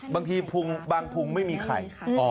บางทีบางพุงไม่มีไข่